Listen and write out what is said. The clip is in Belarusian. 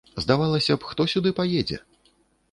Здавалася б, хто сюды паедзе?